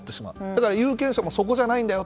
だから有権者もそこじゃないんだよ。